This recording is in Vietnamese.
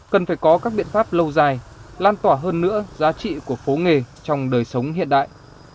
cần phải có các biện pháp lâu dài lan tỏa hơn nữa giá trị của phố nghề trong đời sống hiện đại